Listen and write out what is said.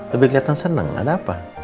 lebih keliatan senang ada apa